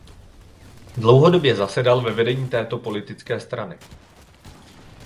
Dlouhodobě zasedal ve vedení této politické strany.